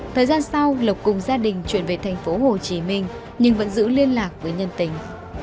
thời gian sau lộc cùng gia đình chuyển về tp hcm nhưng vẫn giữ liên lạc với nhân tình